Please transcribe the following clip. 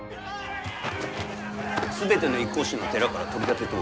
全ての一向宗の寺から取り立てておる。